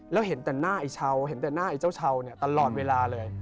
แล้วเห็นแต่หน้าไอ้ชาวเห็นแต่หน้าไอ้เจ้าชาวเนี่ยตลอดเวลาเลย